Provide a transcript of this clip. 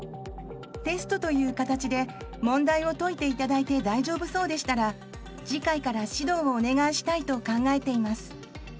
テストという形で問題を解いていただいて大丈夫そうでしたら次回から指導をお願いしたいと考えています。